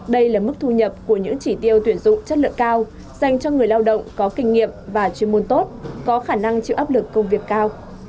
đây là mức thu nhập của những chỉ tiêu tuyển dụng chất lượng cao dành cho người lao động có kinh nghiệm và chuyên môn tốt có khả năng chịu áp lực công việc cao